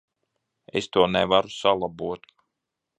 Es to nevaru salabot.